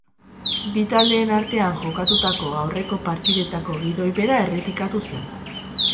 Bi taldeen artean jokatutako aurreko partidetako gidoi bera errepikatu zen.